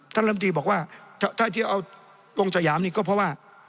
ลำตีบอกว่าถ้าเที่ยวเอาตรงสยามนี่ก็เพราะว่า